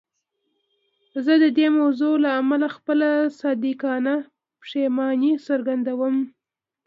زه د دې موضوع له امله خپله صادقانه پښیماني څرګندوم.